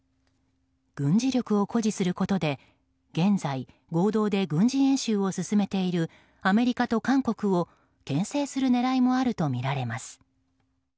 軍事力を誇示することで、現在合同で軍事演習を進めているアメリカと韓国を牽制する狙いもあるとみられます。